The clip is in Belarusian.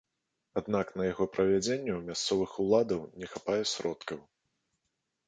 Аднак на яго правядзенне ў мясцовых уладаў не хапае сродкаў.